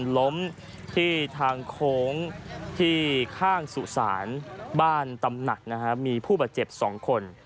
ล้มที่ทางโค้งที่ข้างสุสานบ้านตำหนักมีผู้บาดเจ็บ๒คน